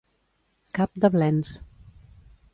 Cap de blens.